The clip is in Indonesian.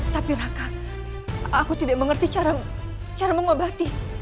tapi raka aku tidak mengerti cara mengobati